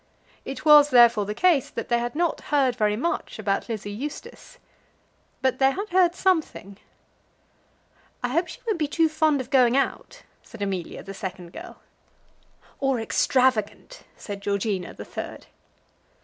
It was, therefore, the case that they had not heard very much about Lizzie Eustace. But they had heard something. "I hope she won't be too fond of going out," said Amelia, the second girl. "Or extravagant," said Georgina, the third.